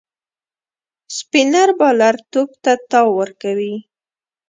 سپينر بالر توپ ته تاو ورکوي.